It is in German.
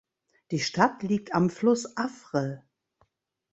Die Stadt liegt am Fluss Avre.